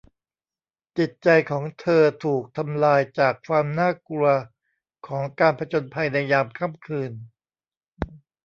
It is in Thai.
จิตใจของเธอถูกทำลายจากความน่ากลัวของการผจญภัยในยามค่ำคืน